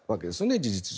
事実上。